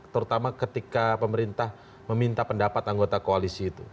terutama ketika pemerintah meminta pendapat anggota koalisi itu